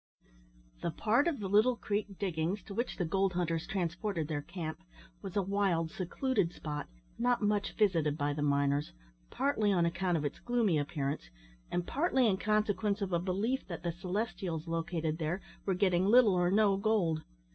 The part of the Little Creek diggings to which the gold hunters transported their camp, was a wild, secluded spot, not much visited by the miners, partly on account of its gloomy appearance, and partly in consequence of a belief that the Celestials located there were getting little or no gold.